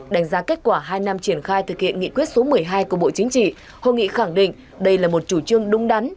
đánh giá kết quả hai năm triển khai thực hiện nghị quyết số một mươi hai của bộ chính trị hội nghị khẳng định đây là một chủ trương đúng đắn